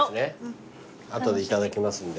後で頂きますんで。